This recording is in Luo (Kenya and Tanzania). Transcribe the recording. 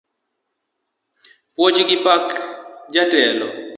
Puoch gi pak jatelo